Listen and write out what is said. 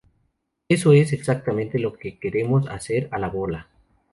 Eso es exactamente lo que queremos hacer a la bola.